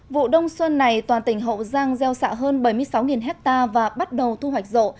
vụ đông xuân này toàn tỉnh hậu giang gieo xạ hơn bảy mươi sáu hectare và bắt đầu thu hoạch rộ